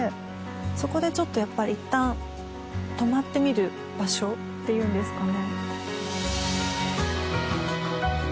そこでちょっとやっぱりいったん止まってみる場所っていうんですかね